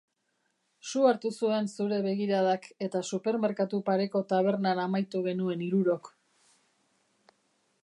Su hartu zuen zure begiradak eta supermerkatu pareko tabernan amaitu genuen hirurok.